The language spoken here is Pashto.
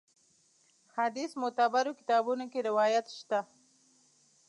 حدیث معتبرو کتابونو کې روایت شته.